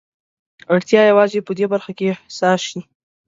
اړتيا يوازې په دې برخه کې حساس شي.